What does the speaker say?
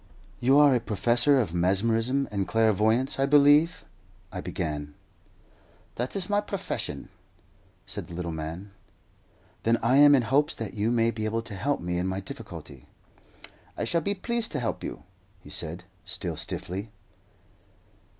"You are a professor of mesmerism and clairvoyance, I believe?" I began. "That is my profession," said the little man, "Then I am in hopes that you may be able to help me in my difficulty." "I shall be pleased to help you," he said, still stiffly.